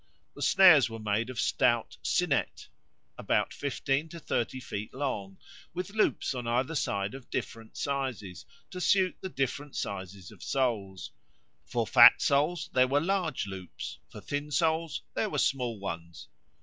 The snares were made of stout cinet, about fifteen to thirty feet long, with loops on either side of different sizes, to suit the different sizes of souls; for fat souls there were large loops, for thin souls there were small ones.